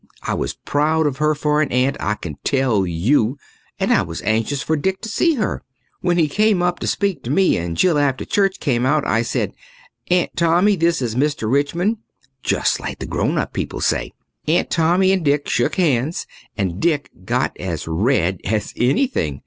I was proud of her for an aunt, I can tell you, and I was anxious for Dick to see her. When he came up to speak to me and Jill after church came out I said, "Aunt Tommy, this is Mr. Richmond," just like the grown up people say. Aunt Tommy and Dick shook hands and Dick got as red as anything.